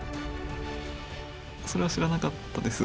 それは知らなかったです。